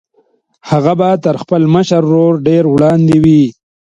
هغه به تر خپل مشر ورور ډېر وړاندې وي